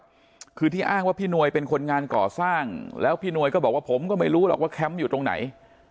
คือที่อ้างว่าพี่นวยเป็นคนงานก่อสร้างแล้วพี่นวยก็บอกว่าผมก็ไม่รู้หรอกว่าแคมป์อยู่ตรงไหน